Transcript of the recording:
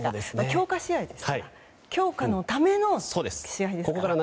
強化試合ですから強化のための試合ですから。